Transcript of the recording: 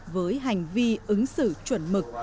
với hành vi ứng xử chuẩn mực